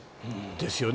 ですよね。